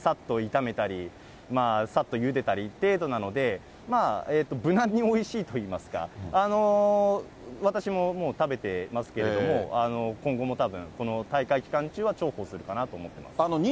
さっと炒めたり、さっとゆでたり程度なので、無難においしいといいますか、私ももう食べてますけれども、今後もたぶん、この大会期間中は重宝するかなと思ってます。